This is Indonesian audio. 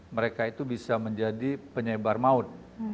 mereka itu bisa menjadi penyebar maut